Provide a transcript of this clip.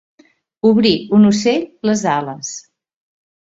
Obrir, un ocell, les ales.